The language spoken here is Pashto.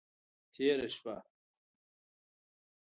تیره شپه…